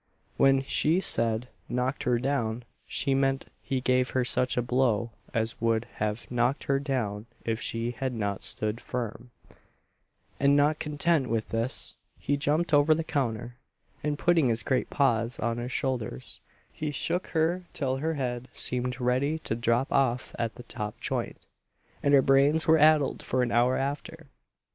When she said "knocked her down," she meant he gave her such a blow as would have knocked her down if she had not stood firm; and not content with this, he jumped over the counter, and putting his great paws on her shoulders, he shook her till her head seemed ready to drop off at the top joint, and her brains were addled for an hour after.